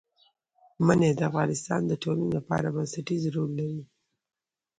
منی د افغانستان د ټولنې لپاره بنسټيز رول لري.